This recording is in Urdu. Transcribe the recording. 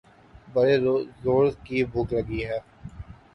بڑے زورکی بھوک لگی تھی۔